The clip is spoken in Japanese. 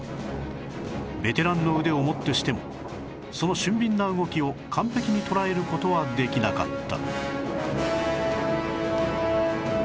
ベテランの腕をもってしてもその俊敏な動きを完璧に捉える事はできなかった